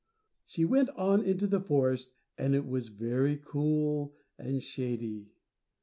She went on into the forest, and it was very cool and shady.